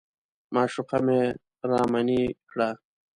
معشوقه مې رامنې کړه.